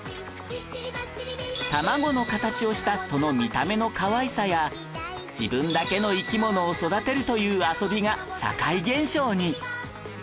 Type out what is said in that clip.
卵の形をしたその見た目のかわいさや自分だけの生き物を育てるという遊びが社会現象に